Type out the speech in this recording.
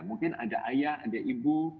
mungkin ada ayah ada ibu